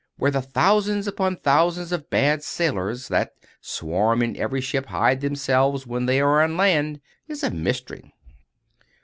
Where the thousands upon thousands of bad sailors that swarm in every ship hide themselves when they are on land is a mystery.